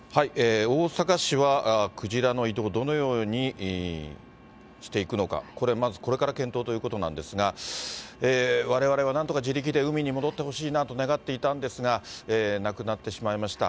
大阪市は、クジラの移動、どのようにしていくのか、これ、まずこれから検討ということなんですが、われわれはなんとか自力で海に戻ってほしいなと願っていたんですが、亡くなってしまいました。